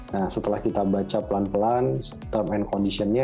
nah setelah kita baca pelan pelan term and conditionnya